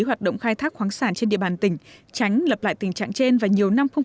hoạt động khai thác khoáng sản trên địa bàn tỉnh tránh lập lại tình trạng trên và nhiều năm không